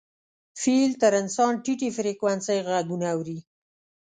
فیل تر انسان ټیټې فریکونسۍ غږونه اوري.